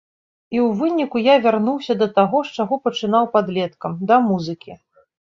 І ў выніку я вярнуўся да таго, з чаго пачынаў падлеткам, да музыкі.